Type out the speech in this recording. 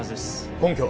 根拠は？